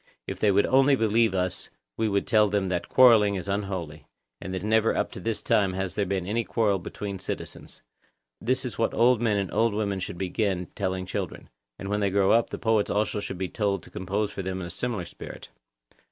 If they would only believe us we would tell them that quarrelling is unholy, and that never up to this time has there been any quarrel between citizens; this is what old men and old women should begin by telling children; and when they grow up, the poets also should be told to compose for them in a similar spirit.